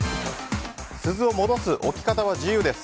鈴を戻す置き方は自由です。